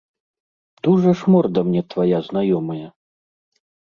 Дужа ж морда мне твая знаёмая!